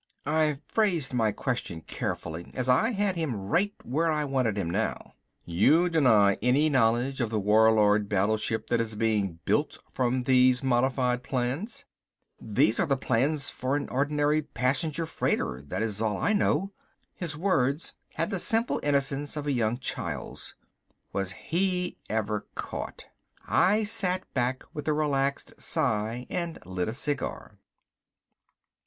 I phrased my question carefully, as I had him right where I wanted him now. "You deny any knowledge of the Warlord battleship that is being built from these modified plans." "These are the plans for an ordinary passenger freighter, that is all I know." His words had the simple innocence of a young child's. Was he ever caught. I sat back with a relaxed sigh and lit a cigar.